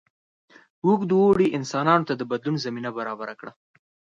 اوږد اوړي انسانانو ته د بدلون زمینه برابره کړه.